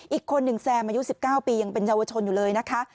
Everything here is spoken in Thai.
อีกคนหนึ่งแซมอายุ๑๙ปียังเป็นเยาวชนอยู่เลยนะคะ